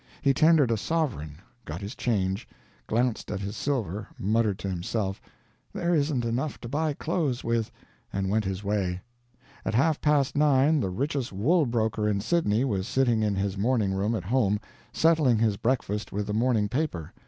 He tendered a sovereign, got his change, glanced at his silver, muttered to himself, "There isn't enough to buy clothes with," and went his way. At half past nine the richest wool broker in Sydney was sitting in his morning room at home, settling his breakfast with the morning paper.